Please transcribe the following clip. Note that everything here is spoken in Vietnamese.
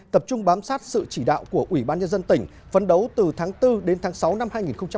tập trung bám sát sự chỉ đạo của ủy ban nhân dân tỉnh phấn đấu từ tháng bốn đến tháng sáu năm hai nghìn hai mươi